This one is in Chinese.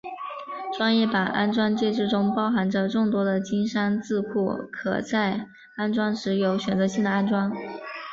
专业版安装介质中包含着众多的金山字库可在安装时有选择性的安装。